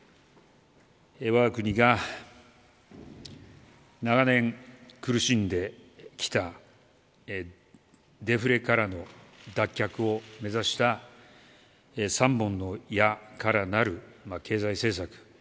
我が国が長年苦しんできたデフレからの脱却を目指した３本の矢からなる経済政策。